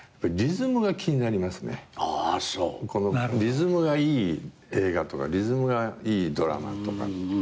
リズムがいい映画とかリズムがいいドラマとか。